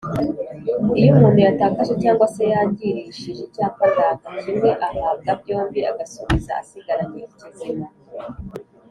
iyo umuntu yatakaje cg se yangirishije Icyapa ndanga kimwe ahabwa byombi agasubiza asigaranye ikizima